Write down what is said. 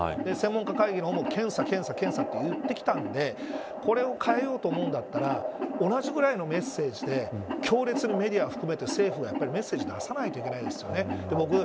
専門家会議の方も検査検査と言ってきたんでこれを変えようと思うんだったら同じぐらいのメッセージで強烈にメディアを含めて政府がメッセージ出さないといけないですよね。